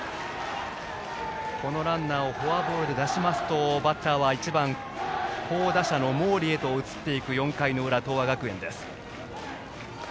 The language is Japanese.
このランナーをフォアボールで出しますとバッターは１番好打者の毛利へと移っていく４回の裏東亜学園です。